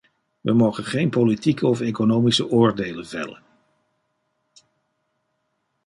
We mogen geen politieke of economische oordelen vellen.